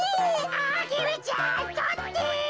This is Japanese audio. アゲルちゃんとって！